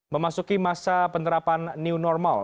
memasuki masa penerapan new normal